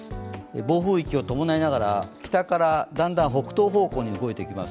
暴風域を伴いながら、北からだんだん北東方向に動いていきます。